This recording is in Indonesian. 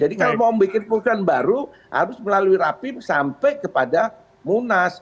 jadi kalau mau bikin keputusan baru harus melalui rapim sampai kepada munas